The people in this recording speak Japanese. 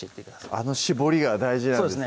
あの絞りが大事なんですね